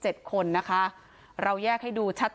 ชุมชนแฟลต๓๐๐๐๐คนพบเชื้อ๓๐๐๐๐คนพบเชื้อ๓๐๐๐๐คนพบเชื้อ๓๐๐๐๐คน